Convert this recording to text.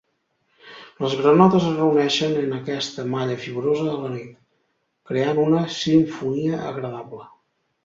Les granotes es reuneixen en aquesta malla fibrosa a la nit, creant una simfonia agradable.